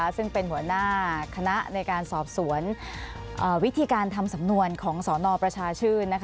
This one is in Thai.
ซึ่งเป็นหัวหน้าคณะในการสอบสวนวิธีการทำสำนวนของสนประชาชื่น